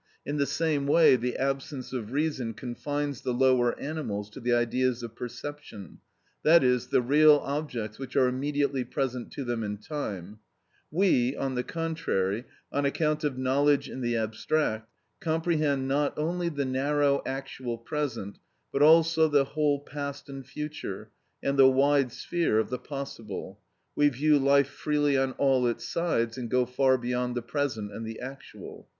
In the same way the absence of reason confines the lower animals to the ideas of perception, i.e., the real objects which are immediately present to them in time; we, on the contrary, on account of knowledge in the abstract, comprehend not only the narrow actual present, but also the whole past and future, and the wide sphere of the possible; we view life freely on all its sides, and go far beyond the present and the actual.